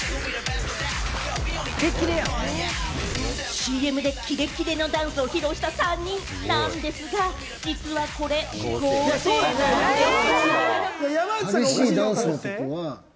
ＣＭでキレッキレのダンスを披露した３人、なんですが、実はこれ合成なんでぃす。